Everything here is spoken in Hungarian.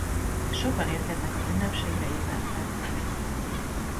Sokan érkeznek az ünnepségre évente.